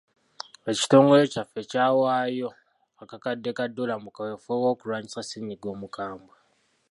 Ekitongole kyaffe kyawayo akakadde ka ddoola mu kaweefube w'okulwanyisa ssenyiga omukambwe.